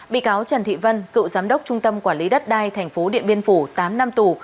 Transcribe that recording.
bị cáo trần thị vân cựu giám đốc trung tâm quản lý đất đai tp điện biên phủ tám năm tù